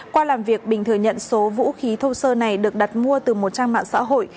qua làm việc bình thừa nhận số vũ khí thô sơ này được đặt mua từ một trang mạng xã hội